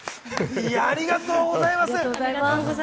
ありがとうございます。